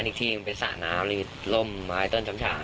ไม่เป็นไรแค่มาถามถามก็เฉย